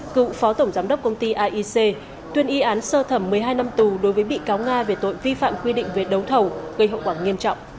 cựu phó tổng giám đốc công ty aic tuyên y án sơ thẩm một mươi hai năm tù đối với bị cáo nga về tội vi phạm quy định về đấu thầu gây hậu quả nghiêm trọng